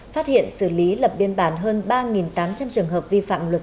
phát hiện xử lý lập biên bản hơn ba tám trăm linh trường hợp vi phạm luật